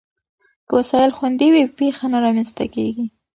که وسایل خوندي وي، پېښه نه رامنځته کېږي.